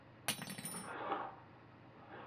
有条狗塞在里面